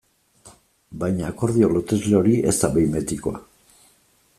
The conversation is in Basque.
Baina akordio lotesle hori ez da behin betikoa.